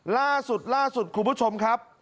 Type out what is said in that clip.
ล่าสุดคุณผู้ชมครับ